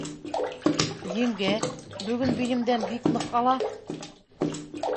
— Еңгә, бөгөн билемдән бик ныҡ ала.